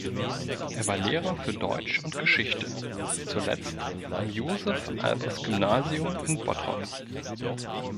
Er war Lehrer für Deutsch und Geschichte, zuletzt am Josef-Albers-Gymnasium in Bottrop.